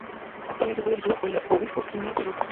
Actualmente está dirigida por el obispo Gianmarco Busca.